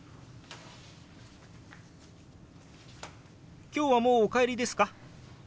今日はもうお帰りですか？